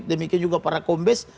demikian juga para kombes